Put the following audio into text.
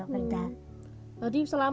selama kekuatan masih ada di dalam